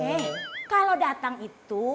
eh kalau datang itu